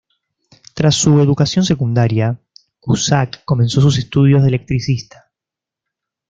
Tras su educación secundaria, Cusack comenzó sus estudios de electricista.